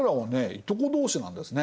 いとこ同士なんですね。